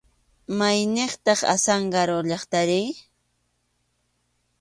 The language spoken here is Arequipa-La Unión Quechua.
¿Mayniqtaq Azángaro llaqtari?